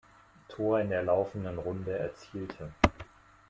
Tor in der laufenden Runde erzielte.